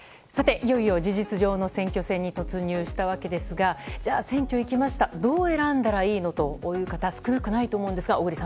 いよいよ事実上の選挙戦に突入したわけですがじゃあ、選挙行きましたどう選んだらいいの？という方少なくないと思うんですが。